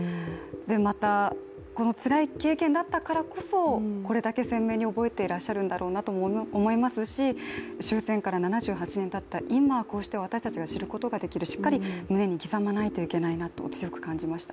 また、このつらい経験だったからこそこれだけ鮮明に覚えているんだろうなと思いますし終戦から７８年たった今、こうして私たちが知ることができる、しっかり胸に刻まないといけないなと強く感じました。